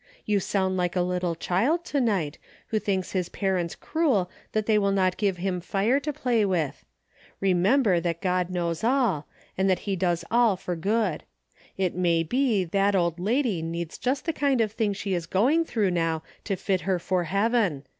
You sound like a little child, to night, who thinks his parents cruel that they will not give him fire to play with. Ee member that God knows all, and that he does all for good. It may be that old lady needs just the kind of thing she is going through now to fit her for heaven.